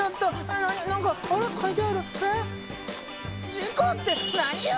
事故って何よ！？